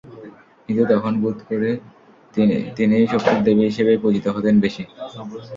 কিন্তু তখন বোধ করি তিনি শক্তির দেবী হিসেবেই পূজিত হতেন বেশি।